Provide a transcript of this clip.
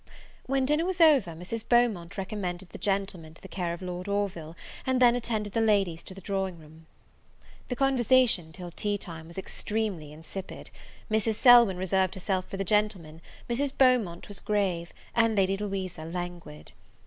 When dinner was over, Mrs. Beaumont recommended the gentlemen to the care of Lord Orville, and then attended the ladies to the drawing room. The conversation, till tea time, was extremely insipid; Mrs. Selwyn reserved herself for the gentlemen, Mrs. Beaumont was grave, and Lady Louisa languid.